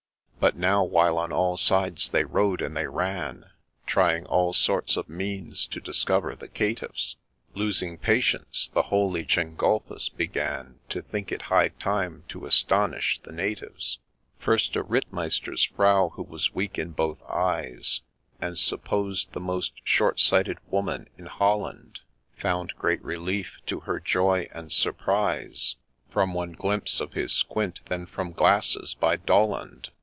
But now, while on all sides they rode and they ran, Trying all sorts of means to discover the caitiffs, Losing patience, the holy Gengulphus began To think it high time to ' astonish the natives.' First, a Rittmeister's Frau, who was weak in both eyes, And supposed the most short sighted woman in Holland, Found great relief, to her joy and surprise, From one glimpse of his ' squint ' than from glasses by Dol lond.